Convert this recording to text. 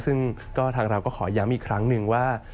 ซึ่งก็ทางเราก็ขอย้ำอีกครั้งหนึ่งว่า